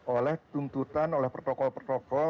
oleh tuntutan oleh protokol protokol